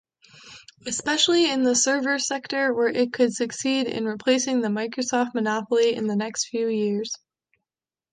Especially in the server sector where it could succeed in replacing the Microsoft monopoly in the next few years.